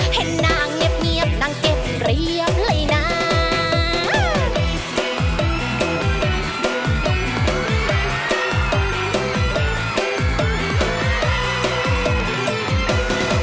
ให้นางเงียบเงียบนางเก็บเรียบเลยนาง